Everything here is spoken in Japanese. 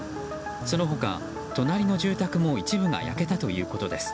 その他、隣の住宅も一部が焼けたということです。